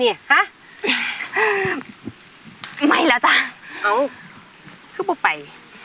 ฮะไม่แล้วจ้ะเอ้าคือปุ๊บไป